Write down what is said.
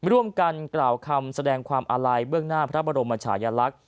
ร่วมกันกล่าวคำแสดงความอาลัยเบื้องหน้าพระบรมชายลักษณ์